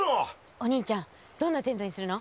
お兄ちゃんどんなテントにするの？